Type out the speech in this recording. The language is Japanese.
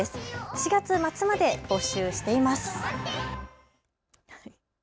４月末まで募集しています。